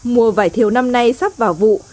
mùa vải thiều năm nay sắp vào vụ